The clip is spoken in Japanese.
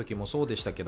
そうですね。